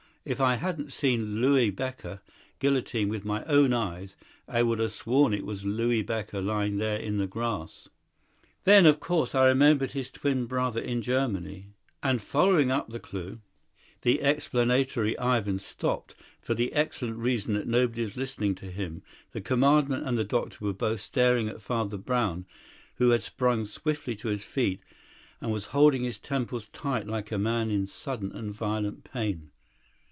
If I hadn't seen Louis Becker guillotined with my own eyes, I'd have sworn it was Louis Becker lying there in the grass. Then, of course, I remembered his twin brother in Germany, and following up the clue " The explanatory Ivan stopped, for the excellent reason that nobody was listening to him. The Commandant and the doctor were both staring at Father Brown, who had sprung stiffly to his feet, and was holding his temples tight like a man in sudden and violent pain.